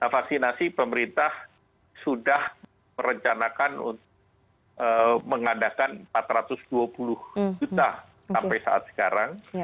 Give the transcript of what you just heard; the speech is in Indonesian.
vaksinasi pemerintah sudah merencanakan untuk mengadakan empat ratus dua puluh juta sampai saat sekarang